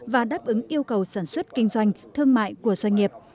và đáp ứng yêu cầu sản xuất kinh doanh thương mại của doanh nghiệp